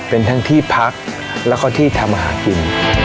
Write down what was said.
เป็นทั้งที่พักแล้วก็ที่ทำหากิน